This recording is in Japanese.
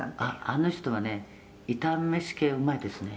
「あの人はねイタ飯系うまいですね」